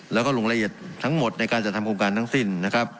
แล้วก็ลงละเอียดทั้งหมดในการจัดทำโครงการทั้งสิ้นนะครับ